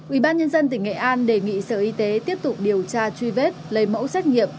ubnd tỉnh nghệ an đề nghị sở y tế tiếp tục điều tra truy vết lấy mẫu xét nghiệm